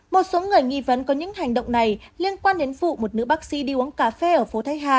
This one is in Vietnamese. một số người nghi vấn có những hành động này liên quan đến vụ một nữ bác sĩ đi uống cà phê ở phố thái hà